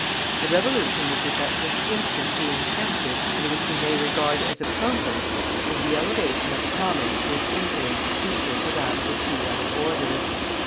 "The revolution which is at this instant being effected, and which we may regard as accomplished, is the elevation of the commons to an influence equal to that of the two other orders.